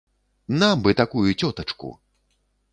Нам бы такую цётачку!